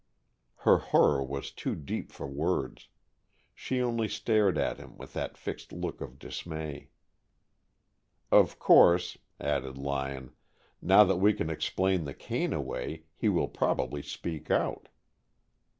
Her horror was too deep for words. She only stared at him, with that fixed look of dismay. "Of course," added Lyon, "now that we can explain the cane away, he will probably speak out."